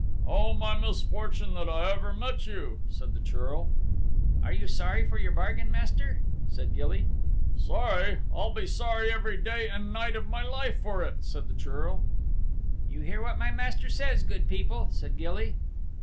"O my misfortune, that ever I met with you," said the Churl. "Are you sorry for your bargain, Master?" said Gilly. "Sorry I'll be sorry every day and night of my life for it," said the Churl. "You hear what my Master says, good people," said Gilly.